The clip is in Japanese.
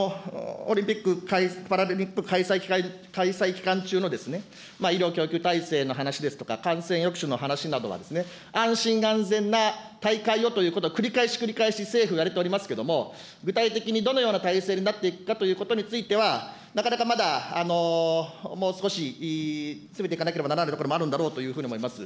オリンピック・パラリンピック開催期間中の医療供給体制の話ですとか、感染抑止の話などは、安心安全な大会をということを、繰り返し繰り返し政府は言われておりますけれども、具体的にどのような体制になっていくかということについては、なかなかまだ、もう少し、詰めていかなければならないところもあるかと思います。